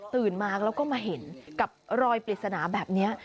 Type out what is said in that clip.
มาแล้วก็มาเห็นกับรอยปริศนาแบบนี้